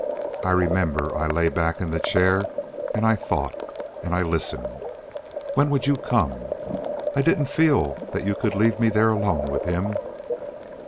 I remember I lay back in the chair and I thought. And I listened. When would you come? I didn't feel that you could leave me there alone with him.